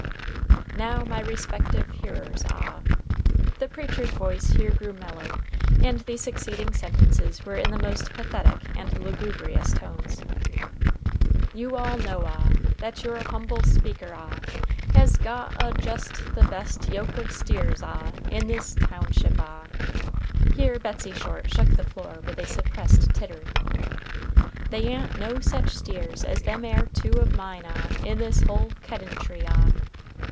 Now, my respective hearers ah" [the preacher's voice here grew mellow, and the succeeding sentences were in the most pathetic and lugubrious tones], "you all know ah that your humble speaker ah has got ah jest the best yoke of steers ah in this township ah." [Here Betsey Short shook the floor with a suppressed titter.] "They a'n't no sech steers as them air two of mine ah in this whole kedentry ah.